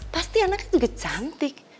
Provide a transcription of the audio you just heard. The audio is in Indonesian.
pasti anaknya juga cantik